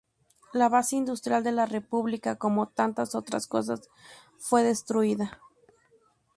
La base industrial de la república, como tantas otras cosas, fue destruida.